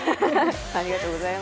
ありがとうございます。